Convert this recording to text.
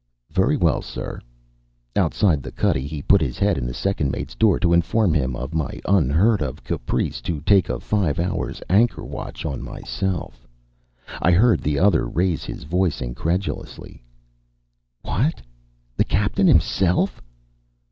"Very well, sir." Outside the cuddy he put his head in the second mate's door to inform him of my unheard of caprice to take a five hours' anchor watch on myself. I heard the other raise his voice incredulously "What? The Captain himself?"